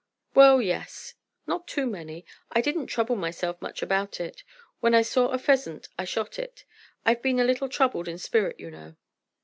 "Well, yes; not too many. I didn't trouble myself much about it. When I saw a pheasant I shot it. I've been a little troubled in spirit, you know."